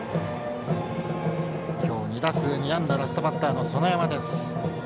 今日、２打数２安打ラストバッターの園山です。